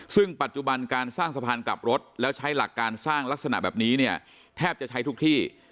ซึ่งปัจจุบันการสร้างสะพานกลับรถแล้วใช้หลักการสร้างลักษณะแบบนี้เนี่ยแทบจะใช้ทุกที่